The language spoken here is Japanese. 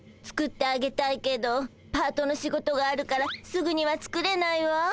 作ってあげたいけどパートの仕事があるからすぐには作れないわ。